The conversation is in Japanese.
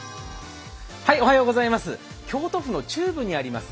京都府の中部にあります